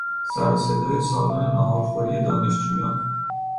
سر و صدای سالن ناهارخوری دانشجویان